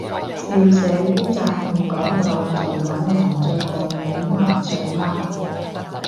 笑死，啲詐騙廣告仲搵林作個名呃上呃